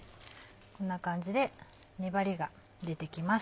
こんな感じで粘りが出てきます。